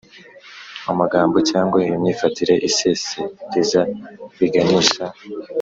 Amagambo cyangwa imyifatire isesereza biganisha